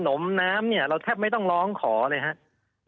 มน้ำเนี่ยเราแทบไม่ต้องร้องขอเลยครับ